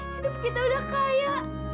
hidup kita udah kaya